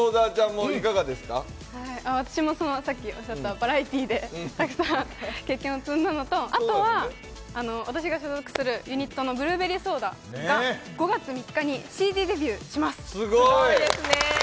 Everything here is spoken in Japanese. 私もバラエティーでたくさん経験を積んだのと、あとは私が所属するユニットのブルーベリーソーダが５月３日にＣＤデビューします。